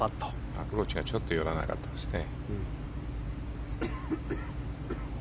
アプローチがちょっと寄らなかったですね。